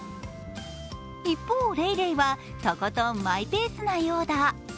一方、レイレイはとことんマイペースなようだ。